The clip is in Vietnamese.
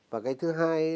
và cái thứ hai nó